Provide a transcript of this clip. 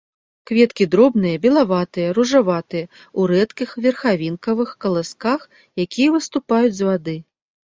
Кветкі дробныя, белаватыя, ружаватыя, у рэдкіх верхавінкавых каласках, якія выступаюць з вады.